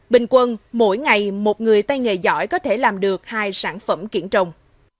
bình quân mỗi ngày một người tay nghề giỏi có thể làm được hai sản phẩm kiển trồng